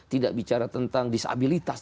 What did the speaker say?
tidak bicara tentang disabilitas